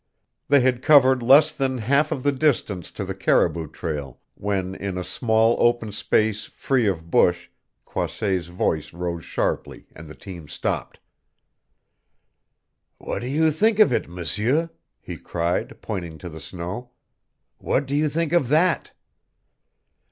They had covered less than half of the distance to the caribou trail when in a small open space free of bush Croisset's voice rose sharply and the team stopped. "What do you think of it, M'seur?" he cried, pointing to the snow. "What do you think of that?"